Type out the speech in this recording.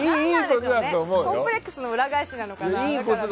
コンプレックスの裏返しなのかな。